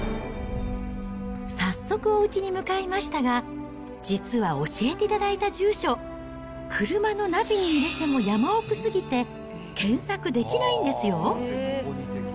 早速おうちに向かいましたが、実は教えていただいた住所、車のナビに入れても、山奥すぎて検索できないんですよ。